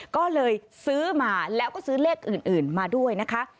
ก็เลยซื้อมาแล้วก็ซื้อเลขอื่นมาด้วยนะคะ